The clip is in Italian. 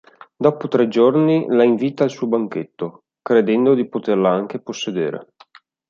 Dopo tre giorni la invita al suo banchetto, credendo di poterla anche possedere.